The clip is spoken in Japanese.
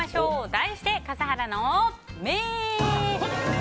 題して、笠原の眼！